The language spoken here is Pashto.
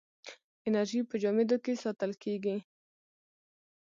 انرژي په جامدو کې ساتل کېږي.